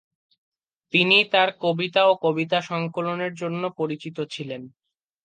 তিনি তার কবিতা ও কবিতা সংকলনের জন্য পরিচিত ছিলেন।